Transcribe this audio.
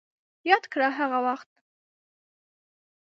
ياده کړه هغه وخت